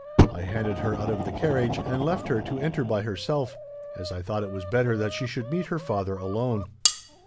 I handed her out of the carriage, and left her to enter by herself, as I thought it was better that she should meet her father alone.